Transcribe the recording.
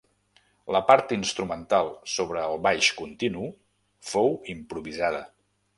La part instrumental sobre el baix continu fou improvisada.